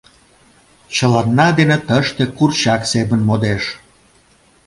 Чыланна дене тыште курчак семын модеш.